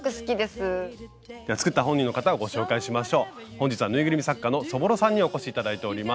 本日はぬいぐるみ作家のそぼろさんにお越し頂いております。